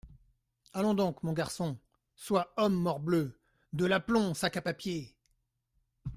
Allons donc, mon garçon ; sois homme, morbleu ! de l’aplomb, sac à papier !…